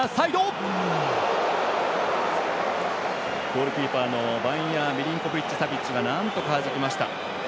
ゴールキーパーのミリンコビッチサビッチがなんとか、はじきました。